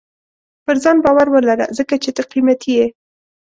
• پر ځان باور ولره، ځکه چې ته قیمتي یې.